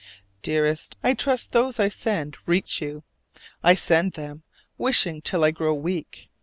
Dearest, I trust those I send reach you: I send them, wishing till I grow weak.